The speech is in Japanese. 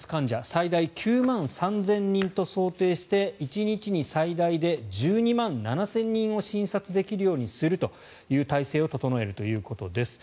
最大９万３０００人と想定して１日に最大で１２万７０００人を診察できるようにするという体制を整えるということです。